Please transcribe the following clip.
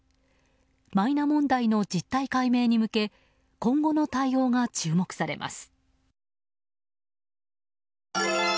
マイナ問題の実態解明に向け今後の対応が注目されます。